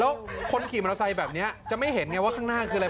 แล้วคนขี่มอเตอร์ไซค์แบบนี้จะไม่เห็นไงว่าข้างหน้าคืออะไร